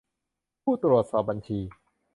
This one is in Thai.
ผู้ตรวจสอบบัญชี